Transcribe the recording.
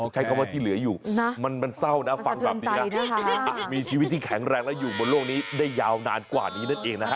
ใช้คำว่าที่เหลืออยู่มันเศร้านะฟังแบบนี้นะมีชีวิตที่แข็งแรงและอยู่บนโลกนี้ได้ยาวนานกว่านี้นั่นเองนะฮะ